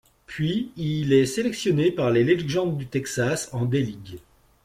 Puis, il est sélectionné par les Legends du Texas en D-League.